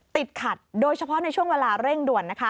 ติดขัดโดยเฉพาะในช่วงเวลาเร่งด่วน